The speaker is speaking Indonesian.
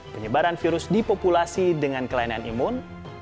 penyebaran virus di populasi dengan kelainan imun